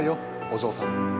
お嬢さん。